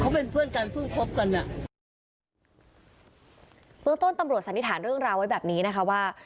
เขาเป็นเพื่อนกันเพิ่งคบกันอ่ะเบื้องต้นตำรวจสันนิษฐานเรื่องราวไว้แบบนี้นะคะว่า